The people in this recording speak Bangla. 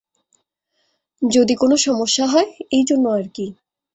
যদি কোনো সমস্যা হয়, এইজন্য আর কি।